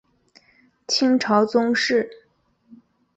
清朝宗室。